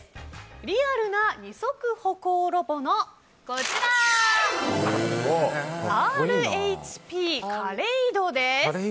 リアルな二足歩行ロボのＲＨＰＫａｌｅｉｄｏです。